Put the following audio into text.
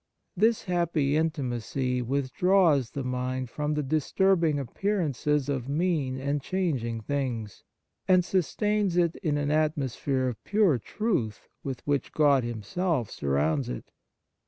This happy intimacy withdraws the mind from the disturbing appearances of mean and changing things, and sustains it in an atmosphere of pure truth with which God Himself sur rounds it.